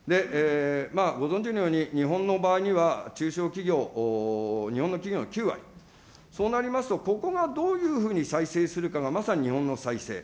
ご存じのように日本の場合には、中小企業、日本の企業の９割、そうなりますと、ここがどういうふうに再生するかが、まさに日本の再生。